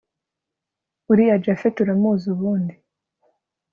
uriya japhet uramuzi ubundi!